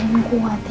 jangan kuat ya